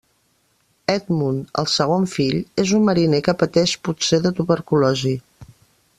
Edmund, el segon fill, és un mariner que pateix potser de tuberculosi.